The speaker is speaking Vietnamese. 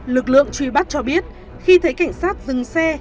lực lượng truy bắt cho biết khi thấy cảnh sát dừng xe